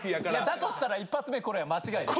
だとしたら一発目これは間違いです。